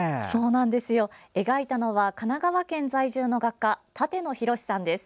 描いたのは神奈川県在住の画家舘野鴻さんです。